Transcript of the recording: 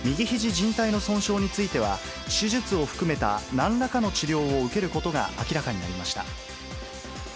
じん帯の損傷については、手術を含めた、なんらかの治療を受けることが明らかになりました。